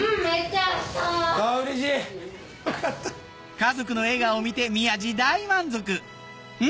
家族の笑顔を見て宮治大満足ん？